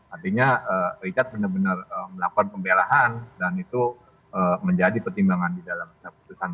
artinya richard benar benar melakukan pembelaan dan itu menjadi pertimbangan di dalam keputusan